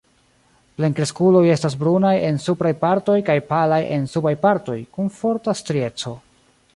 Plenkreskuloj estas brunaj en supraj partoj kaj palaj en subaj partoj, kun forta strieco.